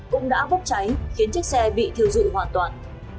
cũng đã bốc cháy khiến chiếc xe bị thiêu dụi hoàn toàn